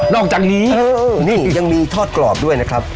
อกจากนี้นี่ยังมีทอดกรอบด้วยนะครับ